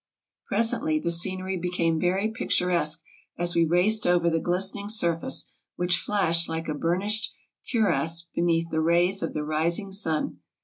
Presently the scenery became very picturesque as we raced over the glistening surface, which flashed like a bur nished cuirass beneath the rays of the rising sun.